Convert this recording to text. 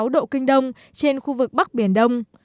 một trăm một mươi bảy sáu độ kinh đông trên khu vực bắc biển đông